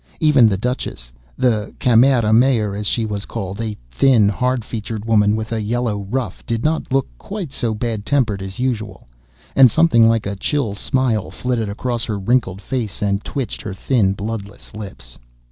Even the Duchess—the Camerera Mayor as she was called—a thin, hard featured woman with a yellow ruff, did not look quite so bad tempered as usual, and something like a chill smile flitted across her wrinkled face and twitched her thin bloodless lips.